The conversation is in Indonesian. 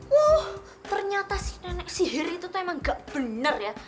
wah ternyata si nenek sihir itu tuh emang gak benar ya